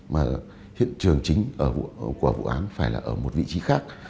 mà hiện trường chính của vụ án phải là ở một vị trí khác